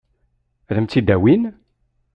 Ad m-tt-id-awin?